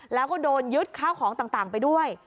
แล้วก็โดนยึดข้าวของต่างไปด้วย